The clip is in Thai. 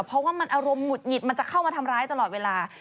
เพราะว่ามันอารมณ์หุดหงิดมันจะเข้ามาทำร้ายตลอดเวลา